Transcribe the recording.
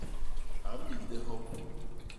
A mmigde hop.